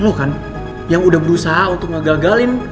lo kan yang udah berusaha untuk ngegagalin